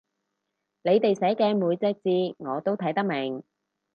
你哋寫嘅每隻字我都睇得明